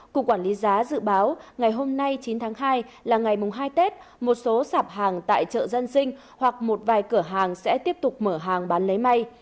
cục quản lý giá dự báo ngày hôm nay chín tháng hai là ngày hai tết một số sạp hàng tại chợ dân sinh hoặc một vài cửa hàng sẽ tiếp tục mở hàng bán lấy may